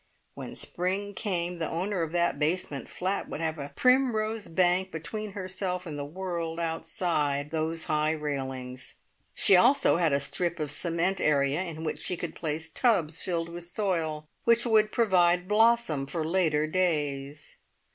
When spring came the owner of that basement flat would have a primrose bank between herself and the world outside those high railings. She had also a strip of cement area in which she could place tubs filled with soil which would provide blossom for later days.